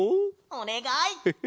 おねがい！